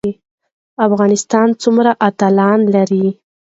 افغانستان څومره اتلان لري؟